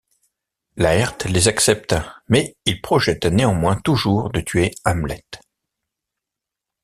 Laërte les accepte, mais il projette néanmoins toujours de tuer Hamlet.